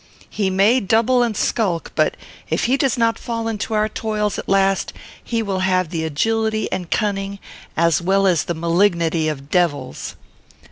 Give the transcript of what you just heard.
He may double and skulk; but, if he does not fall into our toils at last, he will have the agility and cunning, as well as the malignity, of devils."